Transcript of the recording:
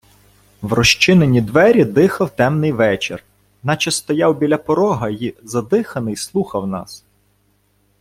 В розчинені двері дихав темний вечір, наче стояв біля порога й, задиханий, слухав нас.